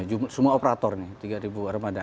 jumlah semua operator nih tiga remaja